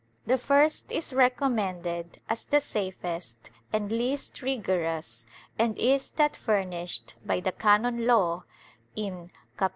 The first is recommended as the safest and least rigorous and is that furnished by the canon law in Cap.